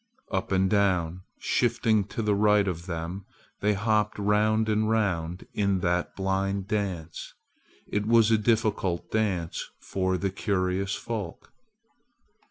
Up and down! Shifting to the right of them they hopped round and round in that blind dance. It was a difficult dance for the curious folk.